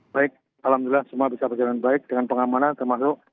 baik alhamdulillah semua bisa berjalan baik dengan pengamanan termasuk